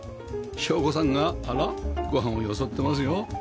章子さんがあらご飯をよそってますよ